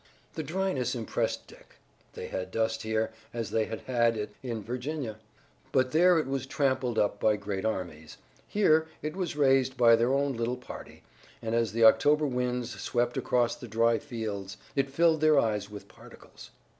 The dryness impressed Dick. They had dust here, as they had had it in Virginia, but there it was trampled up by great armies. Here it was raised by their own little party, and as the October winds swept across the dry fields it filled their eyes with particles.